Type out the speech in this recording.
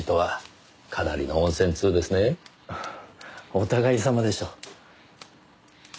お互い様でしょう。